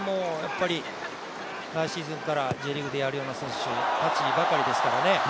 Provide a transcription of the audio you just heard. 来シーズンからＪリーグでやるような選手たちばかりですからね。